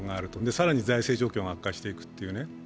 更に財政状況が悪化していくというね。